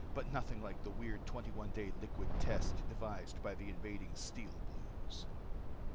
But nothing like the weird twenty one day liquid test devised by the invading Steel Blues.